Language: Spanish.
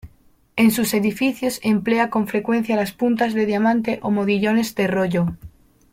En sus edificios emplea con frecuencia las puntas de diamante o modillones de rollo.